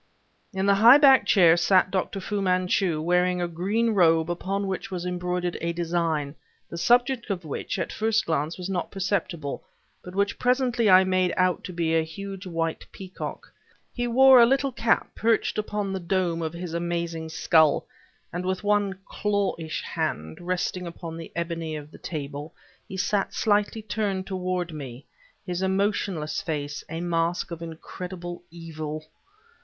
In the high backed chair sat Dr. Fu Manchu, wearing a green robe upon which was embroidered a design, the subject of which at first glance was not perceptible, but which presently I made out to be a huge white peacock. He wore a little cap perched upon the dome of his amazing skull, and with one clawish hand resting upon the ebony of the table, he sat slightly turned toward me, his emotionless face a mask of incredible evil.